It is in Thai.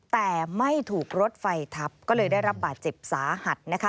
แต่ไม่ถูกรถไฟทับก็เลยได้รับบาดเจ็บสาหัสนะคะ